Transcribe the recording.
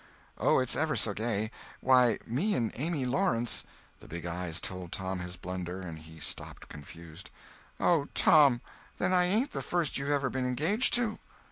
"Oh, it's ever so gay! Why, me and Amy Lawrence—" The big eyes told Tom his blunder and he stopped, confused. "Oh, Tom! Then I ain't the first you've ever been engaged to!"